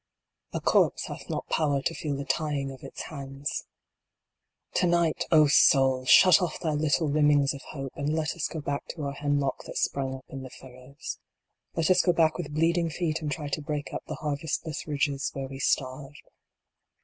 A corpse hath not power to feel the tying of its hands. 77 78 HEMLOCK IN THE FURROWS. II. To night, O Soul ! shut off thy little rimmings of Hope, and let us go back to our hemlock that sprang up in the furrows. Let us go back with bleeding feet and try to break up the harvestless ridges where we starved.